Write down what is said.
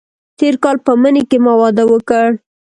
تېر کال په مني کې ما واده وکړ.